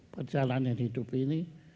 perjalanan hidup ini